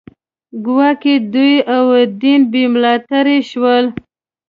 ګواکې دوی او دین بې ملاتړي شول